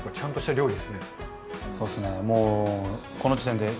そうですねもう。